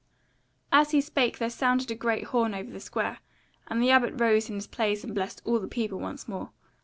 As he spake there sounded a great horn over the square, and the Abbot rose in his place and blessed all the people once more.